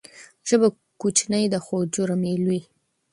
ژبه کوچنۍ ده خو جرم یې لوی.